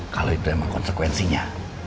kalau itu emang konsekuensinya